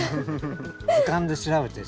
図鑑で調べてしっかり。